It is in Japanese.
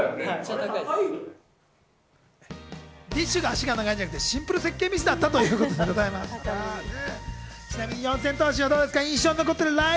ＤＩＳＨ／／が足が長いんじゃなくて、シンプルに設計ミスだったということですね。